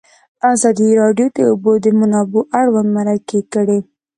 ازادي راډیو د د اوبو منابع اړوند مرکې کړي.